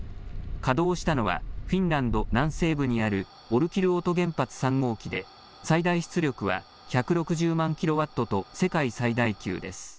稼働したのは、フィンランド南西部にあるオルキルオト原発３号機で、最大出力は１６０万キロワットと、世界最大級です。